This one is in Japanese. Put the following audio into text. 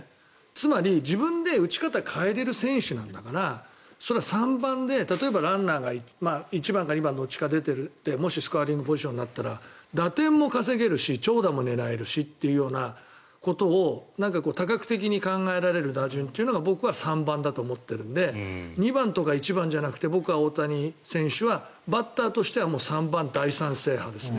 つまり、自分で打ち方を変えられる選手だからそれは３番で例えばランナーが１番か２番どっちか出ていてもしスコアリングポジションになったら打点も狙えるし長打も狙えるしというようなことを多角的に考えられる打順が３番だと思っているので２番とか１番じゃなくて僕は大谷選手はバッターとしては３番、大賛成派ですね。